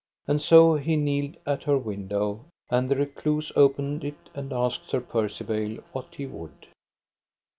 And so he kneeled at her window, and the recluse opened it and asked Sir Percivale what he would.